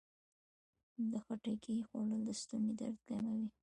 د خټکي خوړل د ستوني درد کموي.